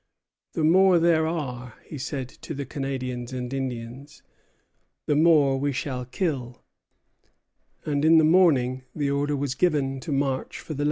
"The more there are," he said to the Canadians and Indians, "the more we shall kill;" and in the morning the order was given to march for the lake.